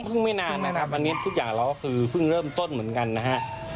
ไม่นานนะครับอันนี้ทุกอย่างเราก็คือเพิ่งเริ่มต้นเหมือนกันนะฮะ